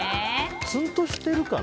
ツーンとしてるかな。